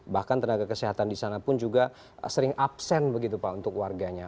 bahkan tenaga kesehatan di sana pun juga sering absen begitu pak untuk warganya